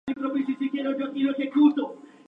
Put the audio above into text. El centro está dirigido por la Sra.